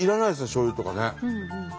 しょうゆとかね。